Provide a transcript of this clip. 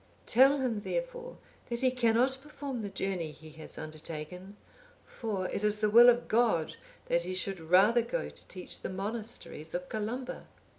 Tell him, therefore, that he cannot perform the journey he has undertaken; for it is the will of God that he should rather go to teach the monasteries of Columba.